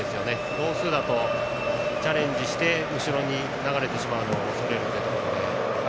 同数だとチャレンジして後ろに流れてしまうのを恐れることになるので。